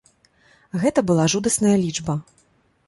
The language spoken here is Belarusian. Гэта была жудасная лічба.